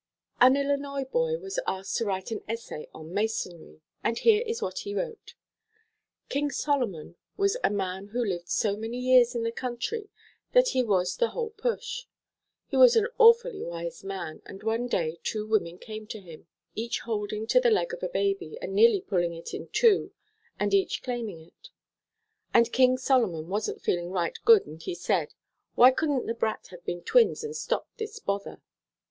_An Illinois boy was asked to write an essay on Masonry, and here is what he wrote: "King Solomon was a man who lived so many years in the country that he was the whole push. He was an awfully wise man, and one day two women came to him, each holding to the leg of a baby and nearly pulling it in two and each claiming it. And King Solomon wasn't feeling right good and he said: "Why couldn't the brat have been twins and stopped this bother?"